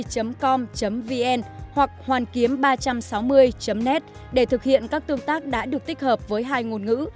hoànkiếm ba trăm sáu mươi com vn hoặc hoànkiếm ba trăm sáu mươi net để thực hiện các tương tác đã được tích hợp với hai ngôn ngữ